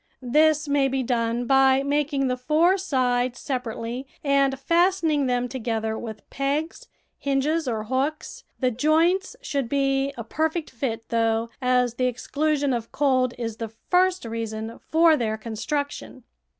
This may be done by making the four sides separately and fastening them together with pegs, hinges, or hooks; the joints should be a per fect fit, though, as the exclusion of cold is the first reason for their construction.